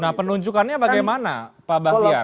nah penunjukannya bagaimana pak bahtiar